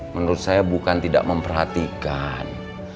menurut saya bukan tidak memperhatikan